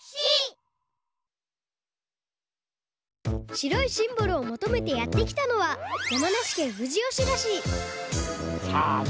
白いシンボルをもとめてやってきたのは山梨県富士吉田市さあね